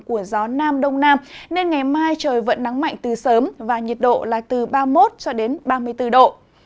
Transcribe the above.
của gió nam đông nam nên ngày mai trời vẫn nắng mạnh từ sớm và nhiệt độ là từ ba mươi một cho đến ba mươi bốn độ